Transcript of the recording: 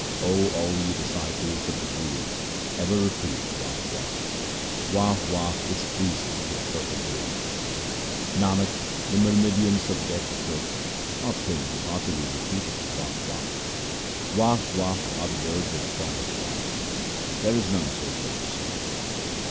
O all ye disciples of the Guru, ever repeat Wah ! Wah !; Wah ! Wah ! is pleasing to the perfect Guru. Nanak, the myrmidons of Death approach not him who heartily repeateth Wah ! Wah ! Wah ! Wah ! are the words of the Formless One ; there is none so great as He.